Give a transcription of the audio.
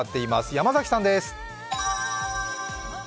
山崎さんです。